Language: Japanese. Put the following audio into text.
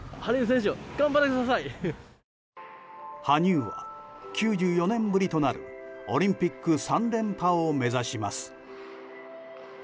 羽生は９４年ぶりとなるオリンピック３連覇を目指します。